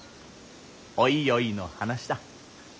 おいおいの話だ。